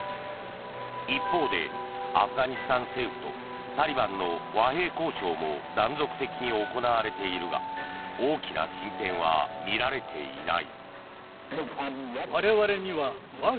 一方でアフガニスタン政府とタリバンの和平交渉も断続的に行われているが大きな進展は見られていない。